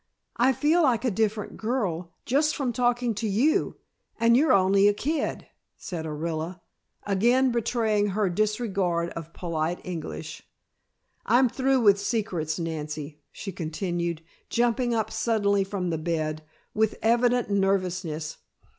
I feel like a different girl, just from talking to you, and you're only a kid," said Orilla, again betraying her disregard of polite English. "I'm through with secrets, Nancy," she continued, jumping up suddenly from the bed, with evident nervousness.